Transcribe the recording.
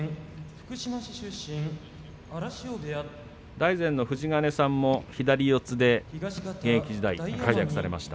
大善の富士ヶ根さんも左四つで現役時代、活躍されました。